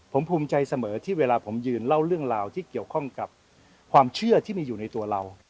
ผมภูมิใจเสมอที่เวลาผมยืนเล่าเรื่องราวที่เกี่ยวข้องกับความเชื่อที่มีอยู่ในตัวเรา